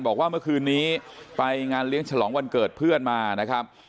บอกว่าเมื่อคืนนี้ไปงานเลี้ยงฉลองวันเกิดเพื่อนมานะครับ